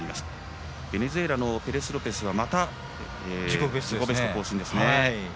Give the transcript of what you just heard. ベネズエラのペレスロペスはまた自己ベストを更新ですね。